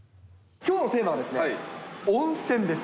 きょうのテーマはですね、温泉です。